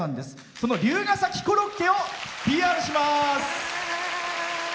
その龍ケ崎コロッケをＰＲします。